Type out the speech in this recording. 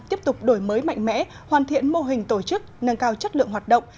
tiếp tục đổi mới mạnh mẽ hoàn thiện mô hình tổ chức nâng cao chất lượng hoạt động